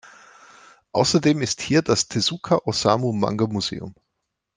Außerdem ist hier das Tezuka-Osamu-Manga-Museum.